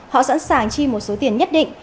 họ sẵn sàng chi một số tiền nhất định